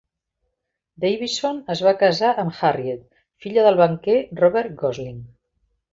Davison es va casar amb Harriett, filla del banquer Robert Gosling.